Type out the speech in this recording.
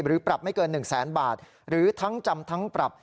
ปรับไม่เกิน๑แสนบาทหรือทั้งจำทั้งปรับ